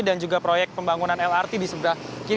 dan juga proyek pembangunan lrt di sebelah kiri